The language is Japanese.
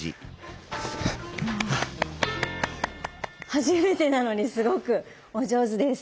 初めてなのにすごくお上手です。